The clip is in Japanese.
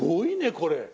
これ。